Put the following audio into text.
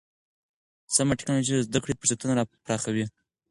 سمه ټکنالوژي د زده کړې فرصتونه پراخوي.